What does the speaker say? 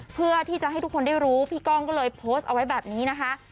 เพื่อที่จะให้ทุกคนได้รู้พี่ก้องก็เลยโพสต์เอาไว้แบบนี้นะคะ